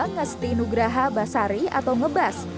ngesti nugraha basari atau ngebas